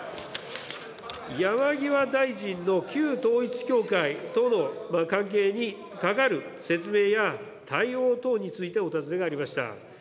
山際大臣の旧統一教会との関係にかかる説明や対応等についてお尋ねがありました。